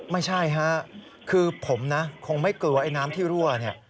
ไม่ใช่ฮะคือผมนะคงไม่กลัวไอ้น้ำที่รั่วเนี่ย